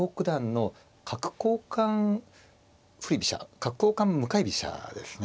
角交換向かい飛車ですね。